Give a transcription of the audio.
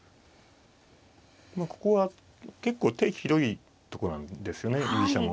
ここは結構手広いとこなんですよね居飛車も。